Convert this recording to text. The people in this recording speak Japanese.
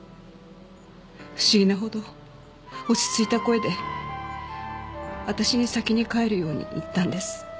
不思議なほど落ち着いた声で私に先に帰るように言ったんです。